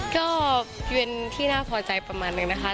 ก็เป็นที่น่าพอใจประมาณนึงนะคะ